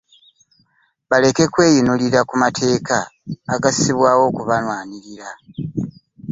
Baleke kweyinulira ku mateeka agassibwawo okubalwanirira.